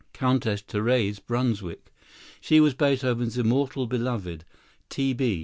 Countess Therese Brunswick. She was Beethoven's "Immortal Beloved." "T.